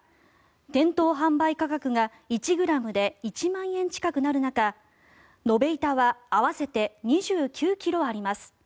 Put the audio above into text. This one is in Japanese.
店頭販売価格が１ｇで１万円近くなる中延べ板は合わせて２９ｋｇあります。